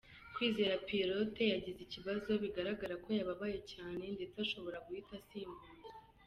' Kwizera Pierrot yagize ikibazo bigaragara ko yababaye cyane ndetse ashobora guhita asimbuzwa.